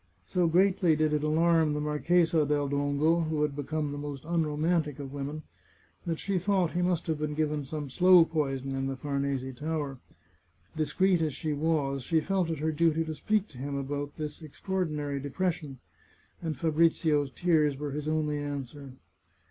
So greatly did it alarm the Marchesa del Dongo, who had become the most unromantic of women, that she thought he must have been given some slow poison in the Farnese Tower. Discreet as she was, she felt it her duty to speak to him about his extraordinary depression, and Fabrizio's tears were his only answer.